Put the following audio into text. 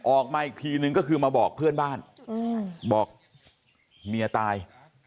ออกมาอีกทีนึงก็คือมาบอกเพื่อนบ้านบอกเมียตาย